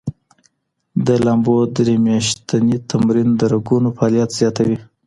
د لامبو درې میاشتې تمرین د رګونو فعالیت زیاتوي.